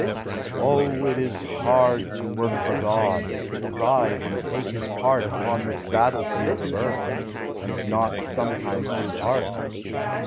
O, it is hard to work for God, To rise and take his part Upon this battle field of earth, And not sometimes lose heart!